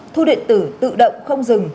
thu điện tử tự động không rừng